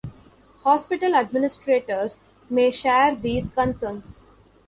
Hospital administrators may share these concerns.